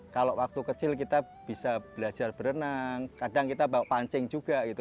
kalau waktu kecil kita bisa belajar berenang kadang kita bawa pancing juga gitu